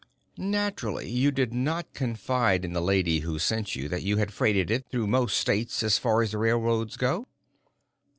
"Naturally you did not confide in the lady who sent you, that you had freighted it through most States as far as the railroads go?"